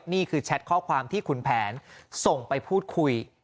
แชทข้อความที่คุณแผนส่งไปพูดคุย